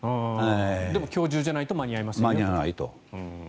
でも、今日中じゃないと間に合いませんよと。